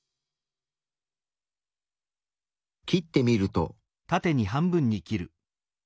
切ってみると。